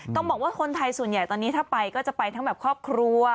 ต้องบอกว่าคนไทยส่วนใหญ่ตอนนี้ถ้าไปก็จะไปทั้งแบบครอบครัว